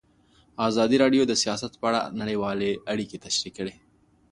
ازادي راډیو د سیاست په اړه نړیوالې اړیکې تشریح کړي.